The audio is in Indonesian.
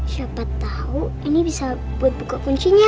siapa tahu ini bisa buat buka kuncinya